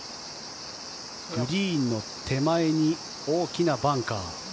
グリーンの手前に大きなバンカー。